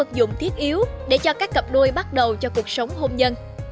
đây là nội dung thiết yếu để cho các cặp đôi bắt đầu cho cuộc sống hôn nhân